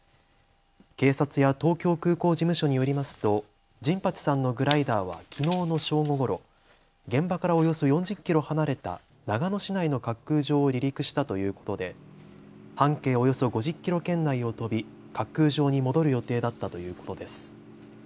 警察や東京空港事務所によりますと神初さんのグライダーはきのうの正午ごろ、現場からおよそ４０キロ離れた長野市内の滑空場を離陸したということで半径およそ５０キロ圏内を飛び滑空場に戻る予定だったということです。